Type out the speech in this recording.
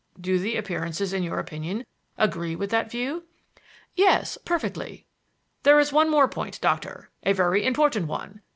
Do the appearances in your opinion agree with that view?" "Yes; perfectly." "There is one more point, Doctor; a very important one.